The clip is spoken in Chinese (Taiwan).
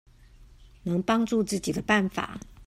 能幫助自己的辦法